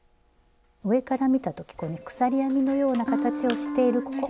上から見た時こうね鎖編みのような形をしているここ。